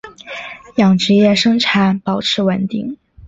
养殖业生产保持稳定。